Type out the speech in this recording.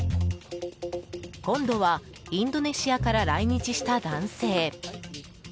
今度は、インドネシアから来日した男性。